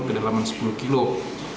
kedalaman sepuluh km